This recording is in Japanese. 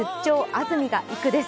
安住がいく」です。